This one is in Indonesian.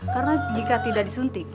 karena jika tidak disuntik